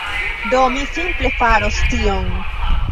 Do, mi simple faros tion.